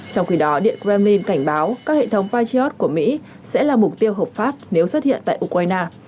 trong khi đó điện kremlin cảnh báo các hệ thống patriot của mỹ sẽ là mục tiêu hợp pháp nếu xuất hiện tại ukraine